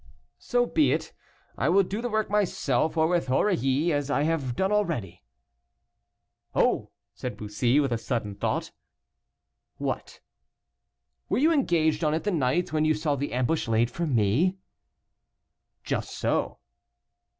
"So be it; I will do my work myself, or with Aurilly, as I have done already." "Oh!" said Bussy, with a sudden thought. "What?" "Were you engaged on it the night when you saw the ambush laid for me?" "Just so."